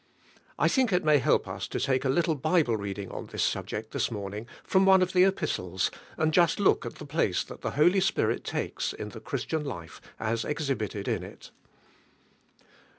I think it may help us to take a little Bible reading on this subject this morning, from one of the epistles, and just look at the place that the Holy Spirit takes in the Christian life as exhibited in it.